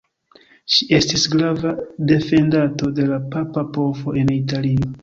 Ŝi estis grava defendanto de la papa povo en Italio.